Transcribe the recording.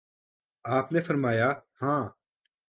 آپ نے فرمایا: ہاں